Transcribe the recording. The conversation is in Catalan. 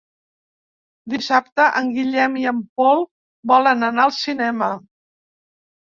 Dissabte en Guillem i en Pol volen anar al cinema.